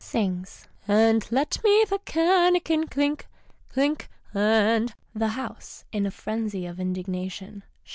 {Sings.) " And let me the canakin clink, clink, and " The House {in a frenzy of indignation).